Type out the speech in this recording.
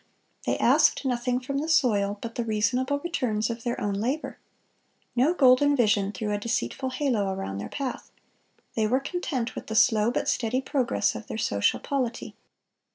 They asked nothing from the soil but the reasonable returns of their own labor. No golden vision threw a deceitful halo around their path.... They were content with the slow but steady progress of their social polity.